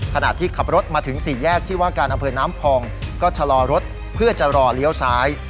ขณะที่ขับรถมาถึงสี่แยกที่ว่าการอำเภอน้ำพองก็ชะลอรถเพื่อจะรอเลี้ยวซ้าย